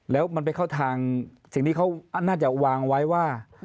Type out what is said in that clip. แล้วมันไปเข้าทางสิ่งที่เขาน่าจะวางไว้ว่า